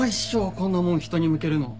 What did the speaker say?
こんなもん人に向けるの。